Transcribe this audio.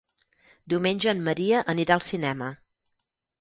Diumenge en Maria anirà al cinema.